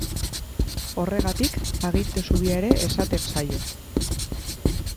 Horregatik, aginte zubia ere esaten zaio.